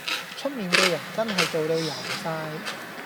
出面嘅人真係做到油晒